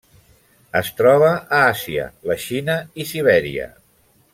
Es troba a Àsia: la Xina i Sibèria.